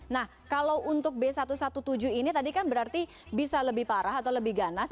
nah kalau untuk b satu ratus tujuh belas ini tadi kan berarti bisa lebih parah atau lebih ganas